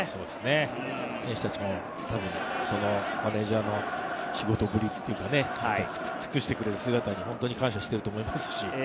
選手たちもマネージャーの仕事ぶり、尽くしてくれる姿に感謝していると思います。